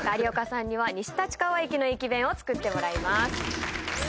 有岡さんには西立川駅の駅弁を作ってもらいます。